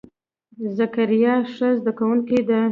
ذکریا ښه زده کونکی دی.